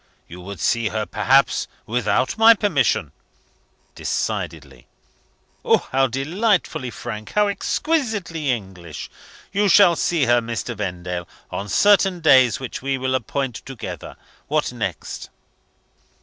you would see her perhaps without my permission?" "Decidedly!" "How delightfully frank! How exquisitely English! You shall see her, Mr. Vendale, on certain days, which we will appoint together. What next?"